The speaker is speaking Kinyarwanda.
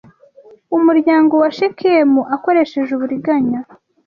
umuryango wa Shekemu akoresheje uburiganya